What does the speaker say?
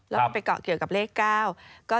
แล้วมันไปเกาะเกี่ยวกับเลข๙